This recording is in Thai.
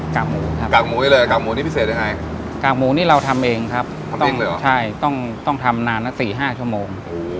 กากหมูครับกากหมูนี้เลยกากหมูนี่พิเศษยังไงกากหมูนี่เราทำเองครับทำเองเลยเหรอใช่ต้องต้องทำนานนะสี่ห้าชั่วโมง